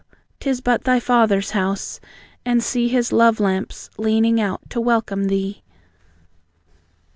'Tis but thy Father's House! And, see His love lamps leaning out to welcome thee!